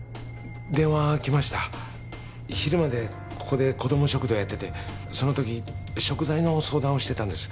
電話きました昼までここで子ども食堂やっててその時食材の相談をしてたんです